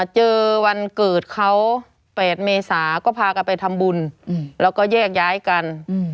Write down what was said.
เจอวันเกิดเขา๘เมษาก็พากันไปทำบุญแล้วก็แยกย้ายกัน